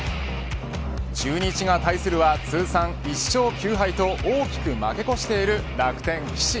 中日が対するは通算１勝９敗と大きく負け越している楽天、岸。